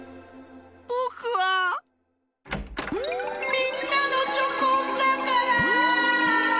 ぼくはみんなのチョコンだから！